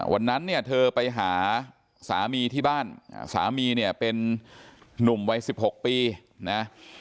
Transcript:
วันนั้นเนี่ยเธอไปหาสามีที่บ้านสามีเนี่ยเป็นนุ่มวัย๑๖ปีนะ